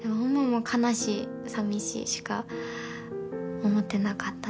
もう悲しいさみしいしか思ってなかったですね。